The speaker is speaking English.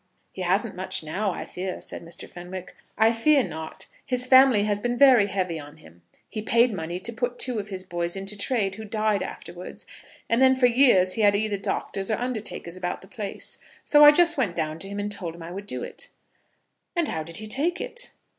"He hasn't much now, I fear," said Mr. Fenwick. "I fear not. His family has been very heavy on him. He paid money to put two of his boys into trade who died afterwards, and then for years he had either doctors or undertakers about the place. So I just went down to him and told him I would do it." "And how did he take it?"